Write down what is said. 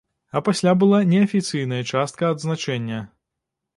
А пасля была неафіцыйная частка адзначэння.